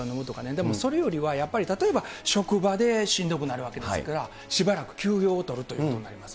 でもそれよりはやっぱり、例えば、職場でしんどくなるわけですから、しばらく休養を取るということになります。